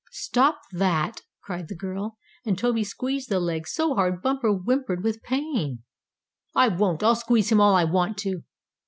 "Stop that!" cried the girl, when Toby squeezed the legs so hard Bumper whimpered with pain. "I won't! I'll squeeze him all I want to."